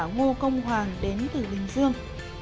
ngô công hoàng đến từ bình dương